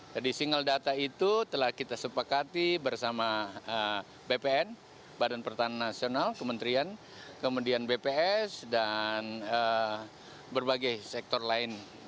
jadi single data itu telah kita sepakati bersama bpn badan pertanian nasional kementerian kemudian bps dan berbagai sektor lain